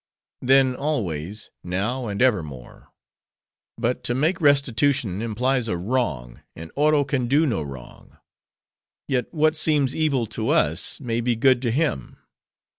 —Then always,—now, and evermore. But to make restitution implies a wrong; and Oro can do no wrong. Yet what seems evil to us, may be good to him.